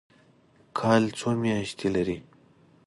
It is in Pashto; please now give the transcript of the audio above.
کال څو میاشتې لري؟